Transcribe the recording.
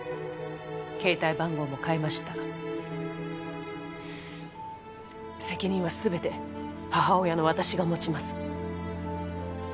携帯番号も変えました責任は全て母親の私が持ちます